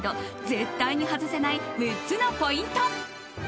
絶対に外せない６つのポイント。